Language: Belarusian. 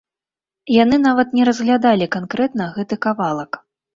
Яны нават не разглядалі канкрэтна гэты кавалак.